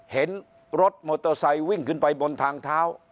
เห็นรถมอเตอร์ไซค์วิ่งขึ้นไปบนทางเท้า